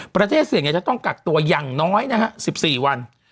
ประเทศเสี่ยงจะต้องกักตัวอย่างน้อยนะฮะ๑๔วัน